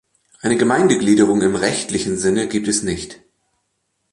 Eine Gemeindegliederung im rechtlichen Sinne gibt es nicht.